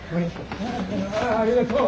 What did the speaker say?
ありがとう。